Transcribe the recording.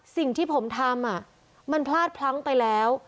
สิ่งที่ผมทำมันพลาดพลั้งไปแล้ว